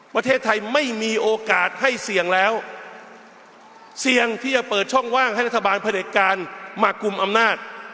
ประเทศไทยไม่มีโอกาสให้เสี่ยงแล้วเสี่ยงที่จะเปิดช่องว่างให้รัฐบาลผลิตการมากลุ่มอำนาจ